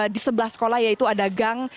di sebelah sekolah yaitu ada gang